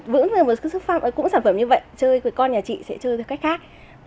vững như một sức phạm cũng sản phẩm như vậy chơi với con nhà chị sẽ chơi theo cách khác